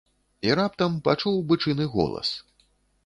І раптам пачуў бычыны голас.